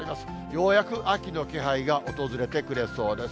ようやく秋の気配が訪れてくれそうです。